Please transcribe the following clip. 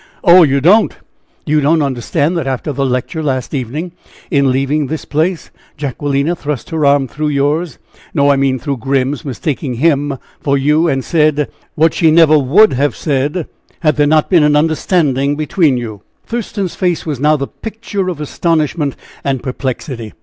"Oh! you don't. You don't understand that after the lecture last evening, in leaving the place, Jacquelina thrust her arm through yours no; I mean through Grim's, mistaking him for you, and said what she never would have said, had there not been an understanding between you." Thurston's face was now the picture of astonishment and perplexity.